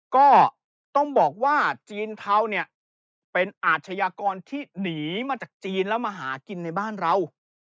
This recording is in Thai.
ก็ต้องบอกว่าจีนเทาเนี่ยเป็นอาชญากรที่หนีมาจากจีนแล้วมาหากินในบ้านเรา